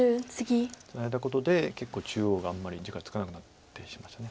ツナいだことで結構中央があんまり地がつかなくなってきました。